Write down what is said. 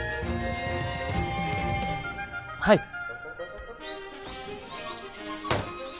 はい。